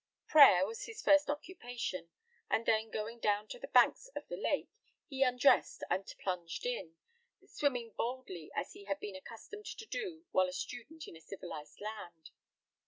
Prayer was his first occupation; and then going down to the banks of the lake, he undressed and plunged in, swimming boldly, as he had been accustomed to do while a student in a civilised land.